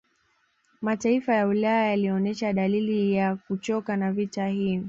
Mataifa ya Ulaya yalionesha dalili za kuchoka na vita hii